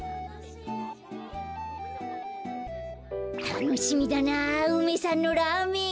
たのしみだな梅さんのラーメン。